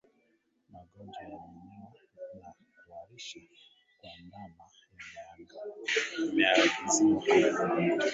Magonjwa ya Minyoo na kuharisha kwa Ndama yameangaziwa hapa